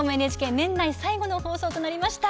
年内最後の放送となりました。